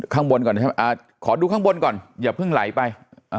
ข้างบนก่อนนะครับขอดูข้างบนก่อนอย่าเพิ่งไหลไป